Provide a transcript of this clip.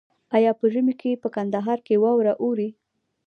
آیا په ژمي کې په کندهار کې واوره اوري؟